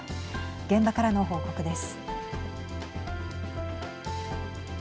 現場からの報告です。